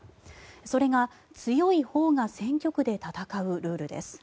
それが強いほうが選挙区で戦うルールです。